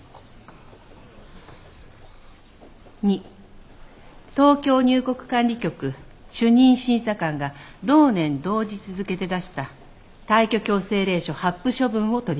「二東京入国管理局主任審査官が同年同日付で出した退去強制令書発付処分を取り消す。